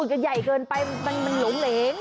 จะใหญ่เกินไปมันหลงเหลง